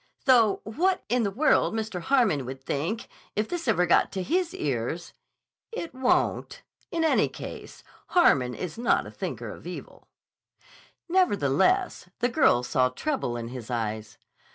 Though what in the world Mr. Harmon would think, if this ever got to his ears—" "It won't. In any case, Harmon is not a thinker of evil." Nevertheless the girl saw trouble in his eyes.